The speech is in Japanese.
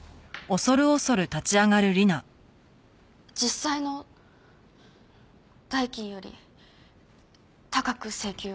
実際の代金より高く請求を。